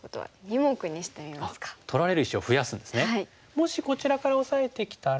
もしこちらからオサえてきたら。